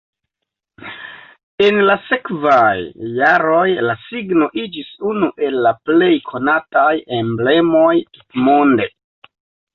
En la sekvaj jaroj la signo iĝis unu el la plej konataj emblemoj tutmonde.